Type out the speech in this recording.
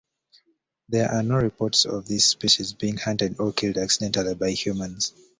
There are no reports of this species being hunted or killed accidentally by humans.